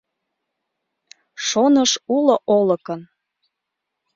Шоныш уло Олыкын: